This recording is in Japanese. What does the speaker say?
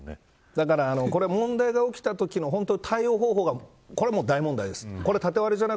だからこれ、問題が起きたときの対応方法がこれは大問題です。